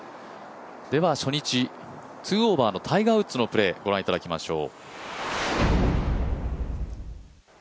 では、初日２オーバーのタイガー・ウッズのプレーご覧いただきましょう。